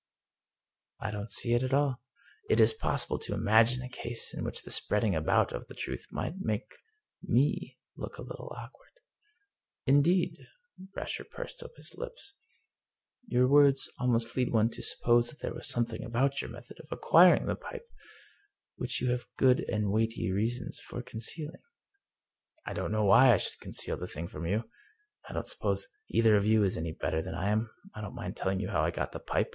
" I don't see it at all. It is possible to imagine a case in which the spreading about of the truth might make me look a little awkward." " Indeed !" Brasher pursed up his lips. " Your words would almost lead one to suppose that there was something about your method of acquiring the pipe which you have good and weighty reasons for concealing." " I don't know why I should conceal the thing from you. I don't suppose either of you is any better than I am. I don't mind telling you how I got the pipe.